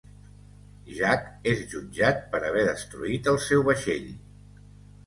Jack és jutjat per haver destruït el seu vaixell.